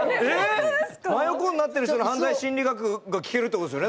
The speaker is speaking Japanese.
真横になってる人の犯罪心理学が聞けるってことですよね？